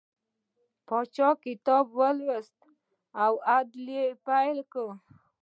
پاچا کتاب ولوست او عدل یې پیل کړ.